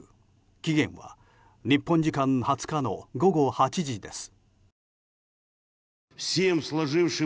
期限は、日本時間２０日の午後８時です。